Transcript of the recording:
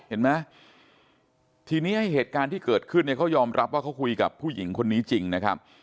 เห็นไหมทีนี้ไอ้เหตุการณ์ที่เกิดขึ้นเนี่ยเขายอมรับว่าเขาคุยกับผู้หญิงคนนี้จริงนะครับ